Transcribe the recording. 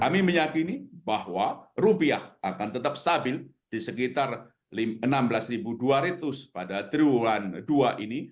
kami meyakini bahwa rupiah akan tetap stabil di sekitar rp enam belas dua ratus pada triwulan dua ini